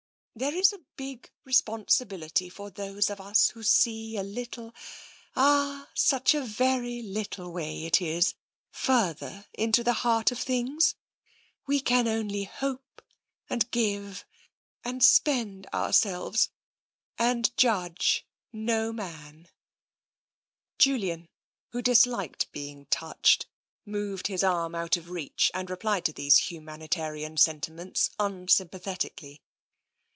There is a big responsibility for those of us who see a little — ah, such a very little way it is — further into the heart of things. We can only hope, and give, and spend ourselves — and judge no man." TENSION 51 Julian, who disliked being touched, moved his arm out of reach, and replied to these humanitarian senti ments unsytnpathetically.